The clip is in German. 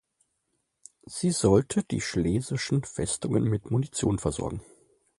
Sie sollte die schlesischen Festungen mit Munition versorgen.